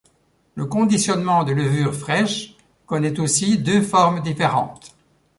Le conditionnement de levure fraîche connaît aussi deux formes différentes.